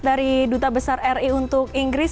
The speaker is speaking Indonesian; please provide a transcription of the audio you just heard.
dari duta besar ri untuk inggris